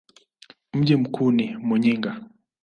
Mji mkuu ni Muyinga.